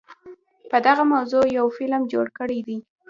په دغه موضوع يو فلم جوړ کړے دے